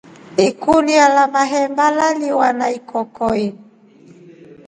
Ikunia la mahemba laliwa na ikokoi.